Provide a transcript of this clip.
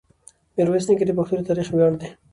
میرویس نیکه د پښتنو د تاریخ ویاړ دی.